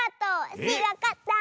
スイわかった！